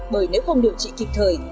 bởi nếu không điều trị kịp thời